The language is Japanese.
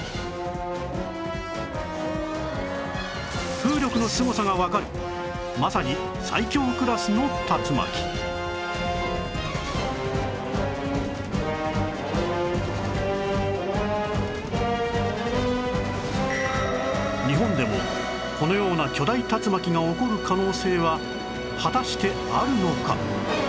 風力のすごさがわかるまさに日本でもこのような巨大竜巻が起こる可能性は果たしてあるのか？